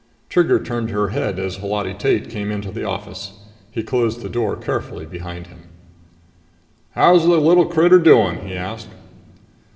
Trigger turned her head as Holati Tate came into the office. He closed the door carefully behind him. "How's the little critter doing?" he asked.